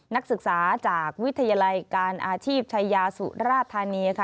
นักศึกษาจากวิทยาลัยการอาชีพชายาสุราธานีค่ะ